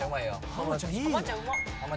ハマちゃんうまっ